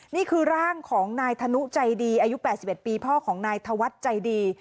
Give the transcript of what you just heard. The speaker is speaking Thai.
นี่คือร่างของนายธนุใจดีอายุ๘๑ปีพ่อของนายธวัฒน์ใจดี